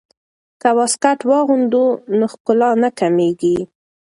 که واسکټ واغوندو نو ښکلا نه کمیږي.